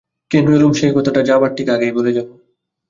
কেন এলুম সেই কথাটা যাবার ঠিক আগেই বলে চলে যাব।